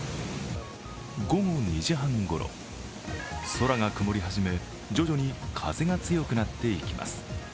午後２時半ごろ、空が曇り始め徐々に風が強くなっていきます。